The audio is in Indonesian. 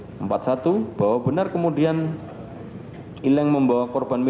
ileng membawa kemampuan vietnam escoffee tersebut di sisi sisa cairan minuman es vietnam coffee